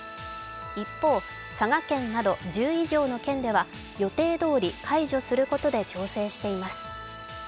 一方、佐賀県など１０以上の県では予定どおり解除することで調整しています。